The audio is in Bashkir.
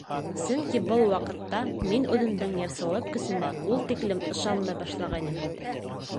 Сөнки был ваҡытта мин үҙемдең йырсылыҡ көсөмә ул тиклем ышанмай башлағайным инде...